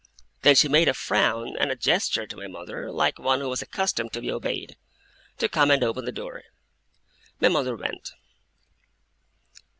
Then she made a frown and a gesture to my mother, like one who was accustomed to be obeyed, to come and open the door. My mother went.